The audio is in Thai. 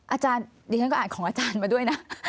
อาจารย์ดิฉันก็อ่านของอาจารย์มาด้วยนะ